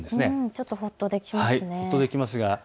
ちょっとほっとできますね。